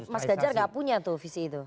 mas ganjar gak punya tuh visi itu